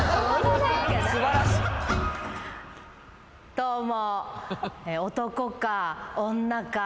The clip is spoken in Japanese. どうも。